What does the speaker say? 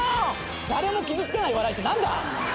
誰も傷つけない笑いって何だ？